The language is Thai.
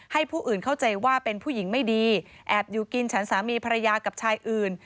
ให้ผู้อื่นเข้าใจว่าเป็นผู้หญิงไม่ดีแอบอยู่กินฉันสามีภรรยากับชายอื่น